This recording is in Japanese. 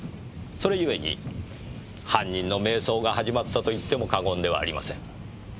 それゆえに犯人の迷走が始まったと言っても過言ではありません。